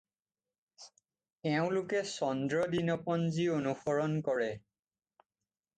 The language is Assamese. এওঁলোকে চন্দ্ৰ দিনপঞ্জী অনুসৰণ কৰে।